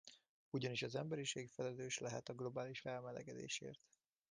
Ugyanis az emberiség felelős lehet a globális felmelegedésért.